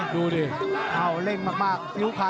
ดูดิเอ้าเร่งมากฟริวพันธุ์หรือเปล่า